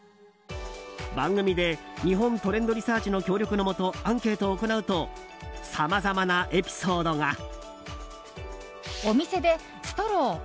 番組で、日本トレンドリサーチの協力のもとアンケートを行うとさまざまなエピソードが。